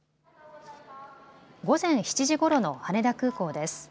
午前７時ごろの羽田空港です。